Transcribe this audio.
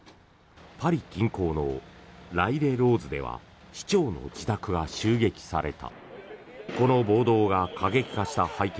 パリ近郊のライレローズでは市長の自宅が襲撃された。